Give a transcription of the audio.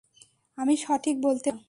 আমি সঠিক বলতে পারবনা।